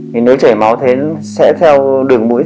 nếu chảy máu thế sẽ theo đường mũi